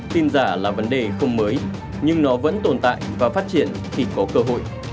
tin giả là vấn đề không mới nhưng nó vẫn tồn tại và phát triển khi có cơ hội